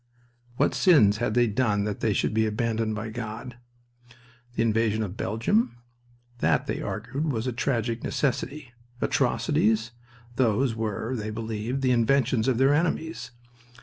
What sins had they done that they should be abandoned by God? The invasion of Belgium? That, they argued, was a tragic necessity. Atrocities? Those were (they believed) the inventions of their enemies.